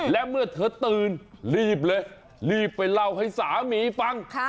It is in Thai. และเมื่อเธอตื่นรีบเลยรีบไปเล่าให้สามีฟัง